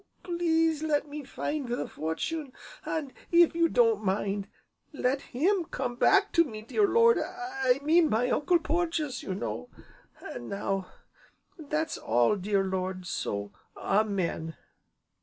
please let me find the fortune, and, if you don't mind, let him come back to me, dear Lord, I mean my Uncle Porges, you know. An' now that's all, dear Lord, so Amen!"